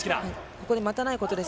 ここで待たないことです。